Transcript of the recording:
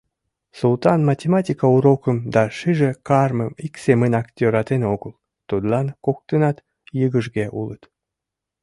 Султан математика урокым да шыже кармым ик семынак йӧратен огыл: тудлан коктынат йыгыжге улыт.